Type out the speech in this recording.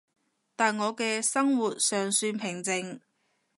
但我嘅生活尚算平靜